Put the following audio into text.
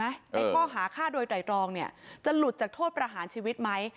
ในก็หาค่าโดยไตรองจะหลุดจากโทษประหารชีวิตไหม